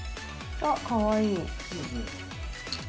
あ、かわいい。